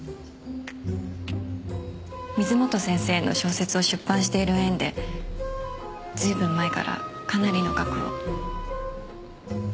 水元先生の小説を出版している縁で随分前からかなりの額を。